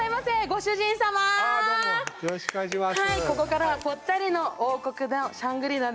あどうもよろしくお願いします